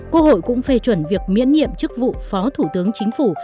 quốc hội cũng phê chuẩn việc miễn nhiệm chức vụ phó thủ tướng chính phủ